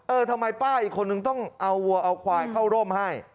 เออทำไมป้าอีกคนนึงต้องเอาวัวเอาควายเข้าร่มให้